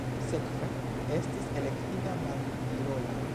Sekve estis elektita Mandirola.